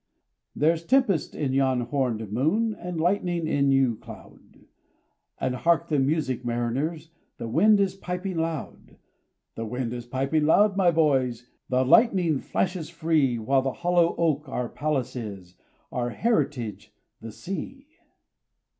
There's tempest in yon horned moon, And lightning in yon cloud; And hark the music, mariners! The wind is piping loud; The wind is piping loud, my boys, The lightning flashes free While the hollow oak our palace is, Our heritage the sea.